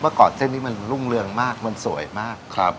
ก่อนเส้นนี้มันรุ่งเรืองมากมันสวยมาก